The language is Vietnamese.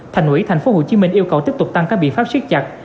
thành quỹ thành phố hồ chí minh yêu cầu tiếp tục tăng các biện pháp siết chặt